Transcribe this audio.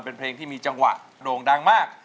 เป็นเพลงที่มีจังหวะโด่งดังมาก